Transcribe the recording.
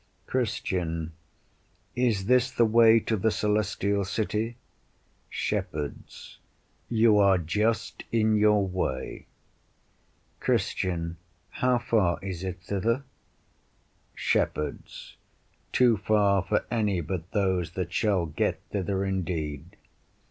Christian Is this the way to the Celestial City? Shepherds You are just in your way. Christian How far is it thither? Shepherds Too far for any but those that shall get thither indeed.